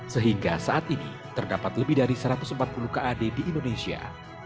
sehingga saat ini terdapat lebih dari satu ratus empat puluh kad di indonesia